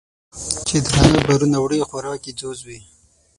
چې درانه بارونه وړي خوراک یې ځوځ وي